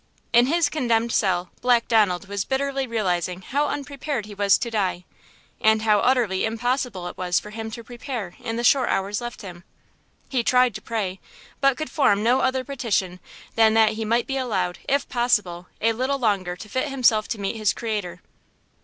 In his condemned cell Black Donald was bitterly realizing how unprepared he was to die, and how utterly impossible it was for him to prepare in the short hours left him. He tried to pray, but could form no other petition than that he might be allowed, if possible, a little longer to fit himself to meet his Creator.